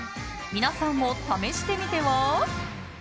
皆さんも試してみては？